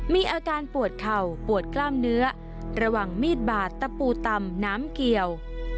มีอาการปวดเข่าปวดกล้ามเนื้อระหว่างมีดบาดตะปูตำน้ำเกี่ยว